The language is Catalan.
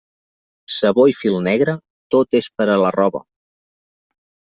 Sabó i fil negre, tot és per a la roba.